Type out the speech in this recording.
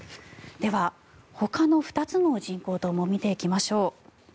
では、ほかの２つの人工島も見ていきましょう。